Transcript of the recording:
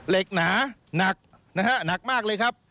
เหล็กหนาหนักหนักมากเลยครับ